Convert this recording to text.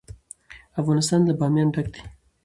افغانستان له بامیان ډک دی.